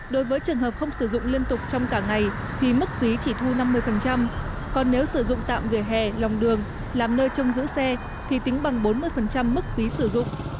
đối với trường hợp không sử dụng liên tục trong cả ngày thì mức phí chỉ thu năm mươi còn nếu sử dụng tạm vỉa hè lòng đường làm nơi trong giữ xe thì tính bằng bốn mươi mức phí sử dụng